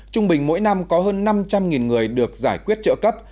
trung bình mỗi năm có hơn năm trăm linh người được giải quyết trợ cấp